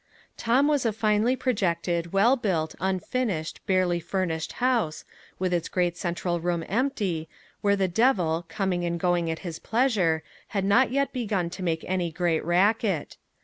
Tom was a finely projected, well built, unfinished, barely furnished house, with its great central room empty, where the devil, coming and going at his pleasure, had not yet begun to make any great racket.